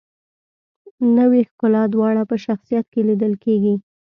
نوې ښکلا دواړه په شخصیت کې لیدل کیږي.